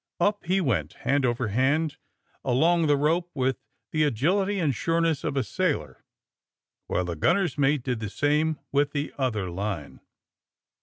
Up he went, hand over hand along the rope, with the agility and sureness of a sailor, while the gTinner's mate did the same with the other line.